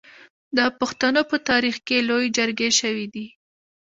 د پښتنو په تاریخ کې لویې جرګې شوي دي.